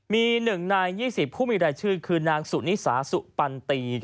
มี๑ใน๒๐ผู้มีรายชื่อคือนางสุนิสาสุปันตี